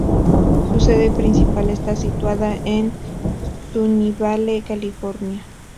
Su sede principal está situada en Sunnyvale, California.